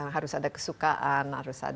harus ada kesukaan